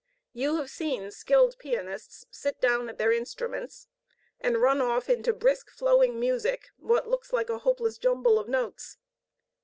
You have seen skilled pianists sit down at their instruments and run off into brisk flowing music what looks like a hopeless jumble of notes.